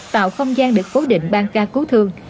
tạo không gian được phối định ban ca cứu thương